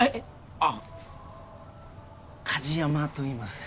あっ梶山といいます。